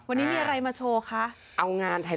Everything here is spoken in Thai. วันนี้มีอะไรมาโชว์คะ